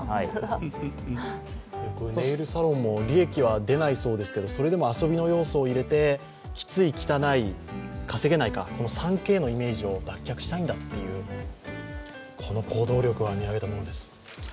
ネイルサロンも利益は出ないそうですけれどもそれでも遊びの要素を入れてきつい、汚い、稼げない、この３Ｋのイメージを脱却したいんだというこの行動力は見上げたものです。